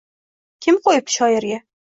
Kim qo’yibdi shoirga».